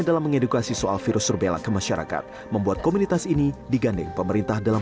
dalam mengedukasi soal virus rubella ke masyarakat membuat komunitas ini digandeng pemerintah dalam